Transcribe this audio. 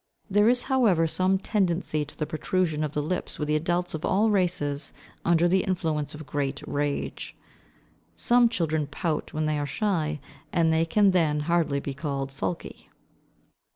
There is, however, some tendency to the protrusion of the lips with the adults of all races under the influence of great rage. Some children pout when they are shy, and they can then hardly be called sulky.